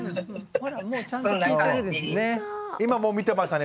ほらもうちゃんと聞いてるんですね。